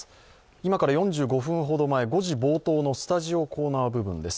今から４５分ほど前、５時冒頭のスタジオコーナー部分です。